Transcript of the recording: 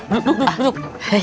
duduk duduk duduk